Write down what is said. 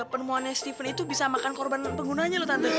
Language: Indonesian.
penemuannya steven itu bisa makan korban penggunanya loh tante